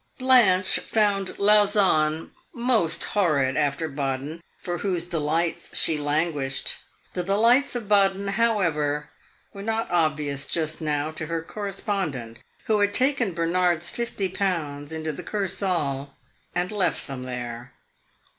Blanche found Lausanne most horrid after Baden, for whose delights she languished. The delights of Baden, however, were not obvious just now to her correspondent, who had taken Bernard's fifty pounds into the Kursaal and left them there.